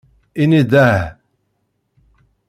Ini-d aah.